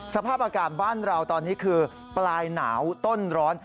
สภาพอากาศบ้านเราตอนนี้คือปลายหนาวต้นร้อน